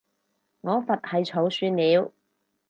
我佛系儲算了